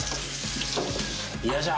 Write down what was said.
よいしょ。